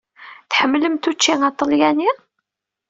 Tḥemmlemt učči aṭalyani?